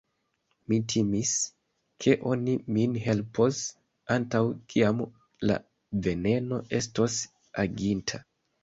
Mi timis, ke oni min helpos, antaŭ kiam la veneno estos aginta.